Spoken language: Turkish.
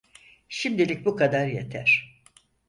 Şimdilik bu kadar yeter.